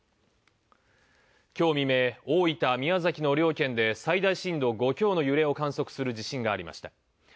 今日未明、大分・宮崎の両県で最大震度５強の揺れを観測する地震がありました。